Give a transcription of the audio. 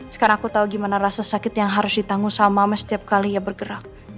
sekarang aku tahu gimana rasa sakit yang harus ditanggung sama setiap kali ya bergerak